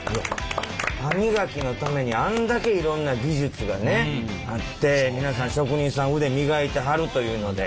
歯磨きのためにあんだけいろんな技術がねあって皆さん職人さん腕磨いてはるというので。